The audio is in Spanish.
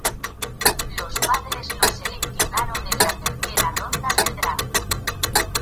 Los Padres lo seleccionaron en la tercera ronda del draft.